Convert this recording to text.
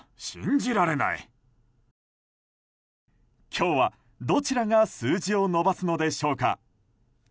今日はどちらが数字を伸ばすのでしょうか。